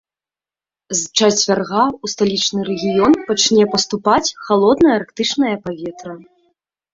З чацвярга ў сталічны рэгіён пачне паступаць халоднае арктычнае паветра.